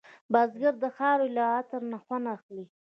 بزګر د خاورې له عطره خوند اخلي